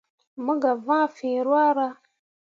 Mo gah vãã fǝ̃ǝ̃ ruahra.